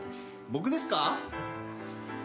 僕ですか？